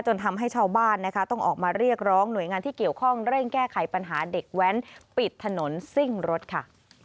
ทำให้ชาวบ้านนะคะต้องออกมาเรียกร้องหน่วยงานที่เกี่ยวข้องเร่งแก้ไขปัญหาเด็กแว้นปิดถนนซิ่งรถค่ะ